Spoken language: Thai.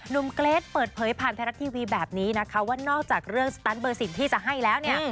เกรทเปิดเผยผ่านไทยรัฐทีวีแบบนี้นะคะว่านอกจากเรื่องสตันเบอร์สิ่งที่จะให้แล้วเนี่ย